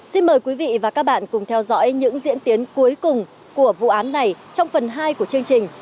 xin mời quý vị và các bạn cùng theo dõi những diễn tiến cuối cùng của vụ án này trong phần hai của chương trình